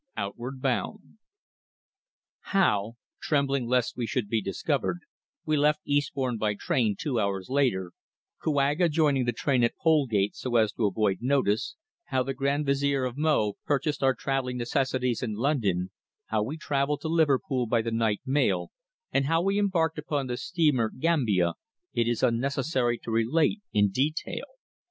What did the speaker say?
OUTWARD BOUND. HOW, trembling lest we should be discovered, we left Eastbourne by train two hours later Kouaga joining the train at Polegate so as to avoid notice how the Grand Vizier of Mo purchased our travelling necessities in London; how we travelled to Liverpool by the night mail, and how we embarked upon the steamer Gambia, it is unnecessary to relate in detail.